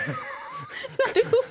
なるほど。